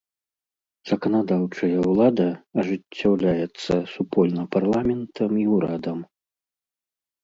Заканадаўчая ўлада ажыццяўляецца супольна парламентам і ўрадам.